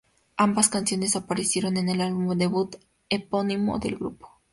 Ambas canciones aparecieron en el álbum debut epónimo del grupo.